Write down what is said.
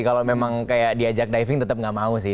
kalau memang kayak diajak diving tetep gak mau sih